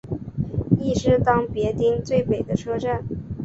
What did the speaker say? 亦是当别町最北的车站。